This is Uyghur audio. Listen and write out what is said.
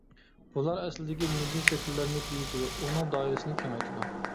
بۇلار ئەسلىدىكى مىللىي شەكىللەرنى بېيىتىدۇ، ئۇنىڭ دائىرىسىنى كېڭەيتىدۇ.